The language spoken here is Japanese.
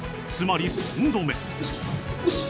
つまり寸止め。